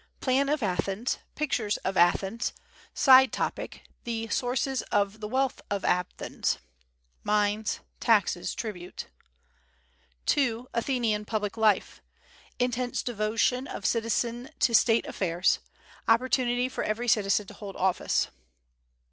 Plan of Athens. Pictures of Athens. Side topic: the sources of the wealth of Athens. (Mines, taxes, tribute). 2. Athenian public life. Intense devotion of citizen to state affairs. Opportunity for every citizen to hold office.